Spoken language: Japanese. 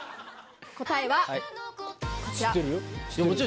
答えはこちら。